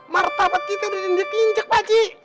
martabat kita udah jadi dia kinjek pak ji